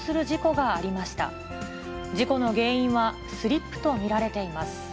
事故の原因は、スリップと見られています。